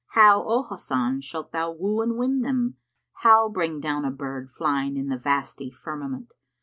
How, O Hasan shalt thou woo and win them? How bring down a bird flying in the vasty firmament?